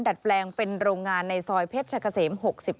ดัดแปลงเป็นโรงงานในซอยเพชรชะกะเสม๖๑